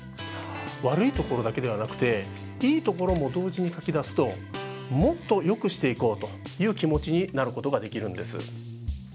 悪い所だけではなくていい所も同時に書き出すともっとよくしていこうという気持ちになることができるんです。